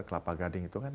kelapa gading itu kan